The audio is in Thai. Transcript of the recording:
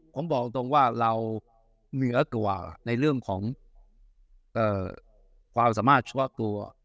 ผมบอกตรงว่าเราเหนือกว่าในเรื่องของความสามารถเฉพาะตัว